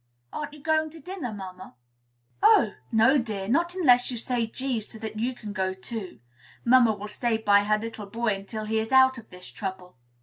"Aren't you going to dinner, mamma?" "Oh! no, dear; not unless you say G, so that you can go too. Mamma will stay by her little boy until he is out of this trouble."